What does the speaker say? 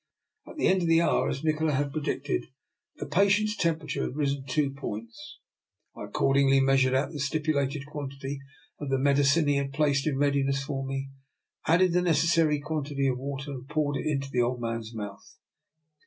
At the end of the hour, as Nikola had predicted, the patient's temperature had risen two points. I accordingly measured out the stipulated quantity of the medicine he had placed in readiness for me, added the neces sary quantity of water, and poured it into the old man's mouth.